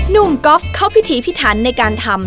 ก๊อฟเข้าพิธีพิถันในการทำ